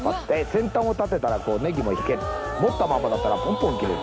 先端を立てたらネギも引ける持ったままならポンポン切れる。